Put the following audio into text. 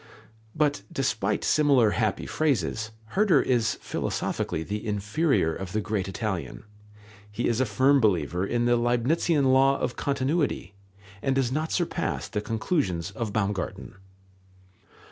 But despite similar happy phrases, Herder is philosophically the inferior of the great Italian. He is a firm believer in the Leibnitzian law of continuity, and does not surpass the conclusions of Baumgarten.